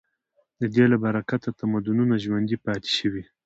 د دې له برکته تمدنونه ژوندي پاتې شوي.